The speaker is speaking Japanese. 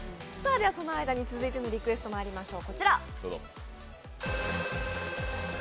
その間に続いてのリクエスト、まいりましょう。